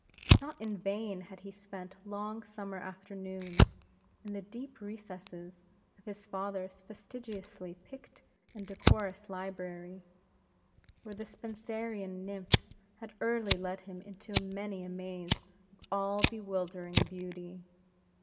Not in vain had he spent long summer afternoons in the deep recesses of his father's fastidiously picked and decorous library; where the Spenserian nymphs had early led him into many a maze of all bewildering beauty.